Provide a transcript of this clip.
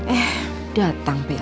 eh datang bella